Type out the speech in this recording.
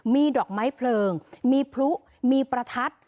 มีดอกไม้เพลิงมีพลุมีประทัด